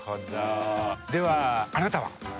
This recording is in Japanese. ではあなたは？